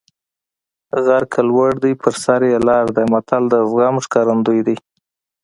غر که لوړ دی په سر یې لاره ده متل د زغم ښکارندوی دی